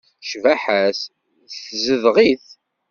Cbaḥa-s tezdeɣ-it.